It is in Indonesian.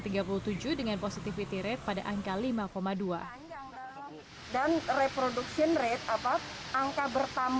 minggu ke tiga puluh tujuh dengan positivity rate pada angka lima dua